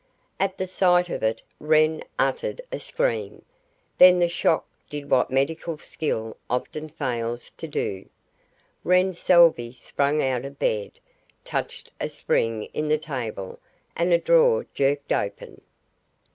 At the sight of it Wren uttered a scream then the shock did what medical skill often fails to do. Wren Salvey sprang out of bed, touched a spring in the table and a drawer jerked open.